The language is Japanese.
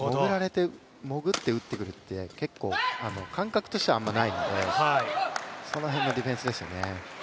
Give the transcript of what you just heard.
潜って打ってくるって結構、感覚としてはあんまりないのでその辺のディフェンスですよね。